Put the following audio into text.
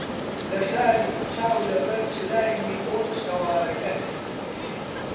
لە شاری چاو لەبەر چرای نیئۆن شەوارەکەت